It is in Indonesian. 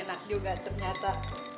enak juga ternyata